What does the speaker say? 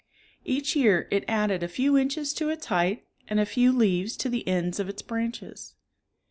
Each year it added a few Inches to its height and a few leaves to the ends of its branches.